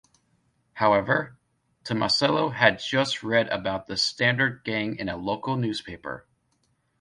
However, Tomasello had just read about the Stander Gang in a local newspaper.